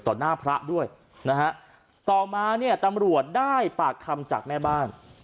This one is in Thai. หน้าพระด้วยนะฮะต่อมาเนี่ยตำรวจได้ปากคำจากแม่บ้าน